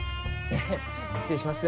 失礼します。